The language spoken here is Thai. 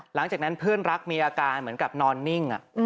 หลังจากนั้นเพื่อนรักมีอาการเหมือนกับนอนนิ่ง